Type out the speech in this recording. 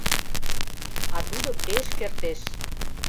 А тудо пеш кертеш...